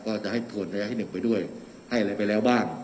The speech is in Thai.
ก็จะให้ทนระยะที่๑ไปด้วยให้อะไรไปแล้วบ้าง